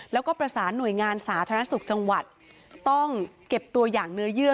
แล้วก็ประสานหน่วยงานสาธารณสุขจังหวัดต้องเก็บตัวอย่างเนื้อเยื่อ